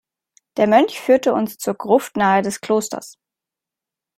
Der Mönch führte uns zur Gruft nahe des Klosters.